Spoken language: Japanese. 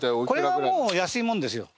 これはもう安いもんですよ。